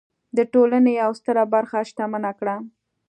د ټولنې یوه ستره برخه شتمنه کړه.